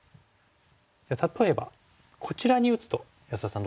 例えばこちらに打つと安田さん